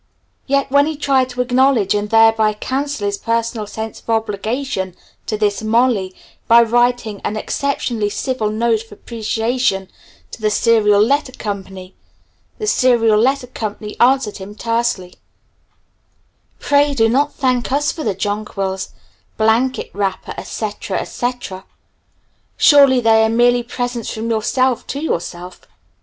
Yet when he tried to acknowledge and thereby cancel his personal sense of obligation to this "Molly" by writing an exceptionally civil note of appreciation to the Serial Letter Co., the Serial Letter Co. answered him tersely "Pray do not thank us for the jonquils, blanket wrapper, etc., etc. Surely they are merely presents from yourself to yourself.